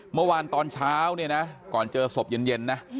เมื่อวานตอนเช้าก่อนเจอศพเย็นนะ